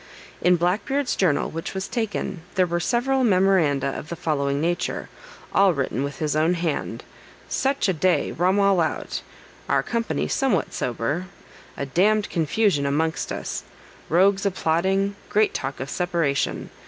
In Black Beard's journal, which was taken, there were several memoranda of the following nature, all written with his own hand. "Such a day, rum all out; our company somewhat sober; a d d confusion amongst us! rogues a plotting; great talk of separation.